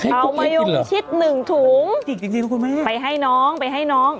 เอามายงชิด๑ถุงไปให้น้องไปให้น้อง